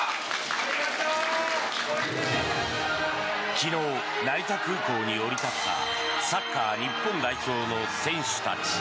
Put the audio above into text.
昨日、成田空港に降り立ったサッカー日本代表の選手たち。